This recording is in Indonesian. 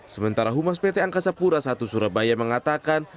sementara humas pt angkasa pura i surabaya mengatakan